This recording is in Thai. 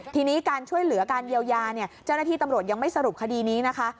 ทีนี้การช่วยเหลือการเยียวยาเนี่ยเจ้าหน้าที่ตำรวจยังไม่สรุปคดีนี้นะคะ